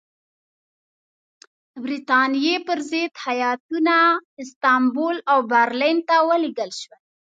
برټانیې پر ضد هیاتونه استانبول او برلین ته ولېږل شول.